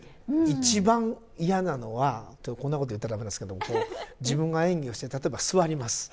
一番嫌なのはってこんなこと言ったら駄目ですけど自分が演技をして例えば座ります。